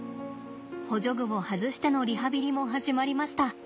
補助具を外してのリハビリも始まりました。